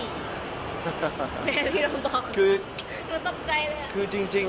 แม่พี่โดมบอกหนูต้องใจเลยอะ